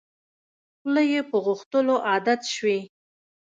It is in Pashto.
خوله یې په غوښتلو عادت شوې.